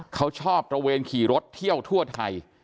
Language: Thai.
เขาชอบตระเวนขี่รถเที่ยวทั่วไทย